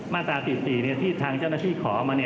มาตรา๔๔ที่ทางเจ้าหน้าที่ขอมา